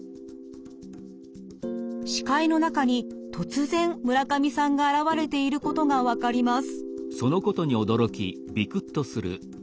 視界の中に突然村上さんが現れていることが分かります。